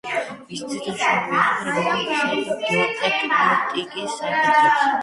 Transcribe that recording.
მისი ძირითადი შრომები ეხება რეგიონალურ და საერთო გეოტექტონიკის საკითხებს.